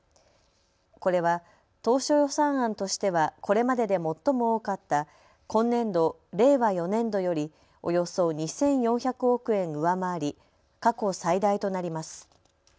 これは当初予算案としてはこれまでで最も多かった今年度令和４年度よりおよそ２４００億円上回り過去最大となります。